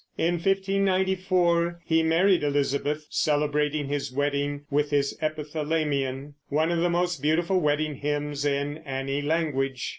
In 1594 he married Elizabeth, celebrating his wedding with his "Epithalamion," one of the most beautiful wedding hymns in any language.